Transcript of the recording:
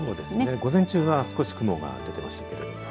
午前中は少し雲が出ていましたけど。